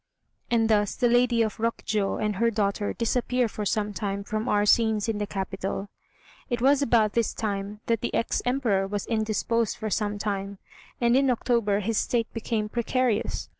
And thus the Lady of Rokjiô and her daughter disappear for some time from our scenes in the capital. It was about this time that the ex Emperor was indisposed for some time, and in October his state became precarious.